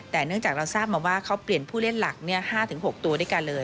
แต่เนื่องจากเราทราบมาว่าเขาเปลี่ยนผู้เล่นหลัก๕๖ตัวด้วยกันเลย